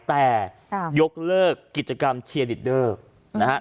แต่ยกเลิกกิจกรรมเชียริดเดอร์นะฮะ